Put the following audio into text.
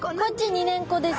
２年子です。